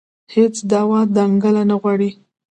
هېڅ دعوا دنګله نه غواړي